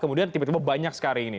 kemudian tiba tiba banyak sekali ini